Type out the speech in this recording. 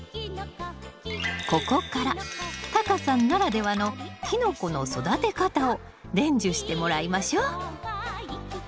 ここからタカさんならではのキノコの育て方を伝授してもらいましょう。